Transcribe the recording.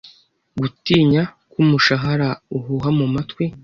gutinya Ko umushahara uhuha mumatwi